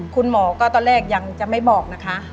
คุณหมอก็ตอนแรกยังจะไม่บอกนะคะ